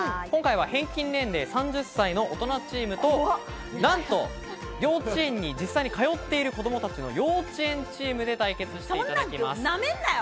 今回は平均年齢３０歳の大人チームとなんと幼稚園に実際に通っている子供たちの幼稚園チームで対決していただきます。